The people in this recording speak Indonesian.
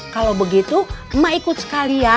kalau begitu emak ikut sekalian